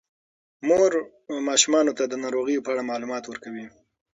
مور ماشومانو ته د ناروغیو په اړه معلومات ورکوي.